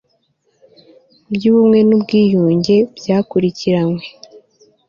by ubumwe n ubwiyunge byakurikiranywe